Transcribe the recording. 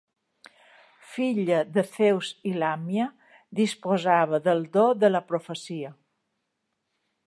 Filla de Zeus i Làmia, disposava del do de la profecia.